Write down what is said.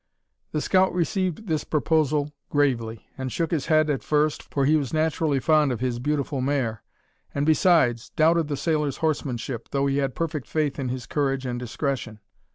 The scout received this proposal gravely, and shook his head at first, for he was naturally fond of his beautiful mare, and, besides, doubted the sailor's horsemanship, though he had perfect faith in his courage and discretion.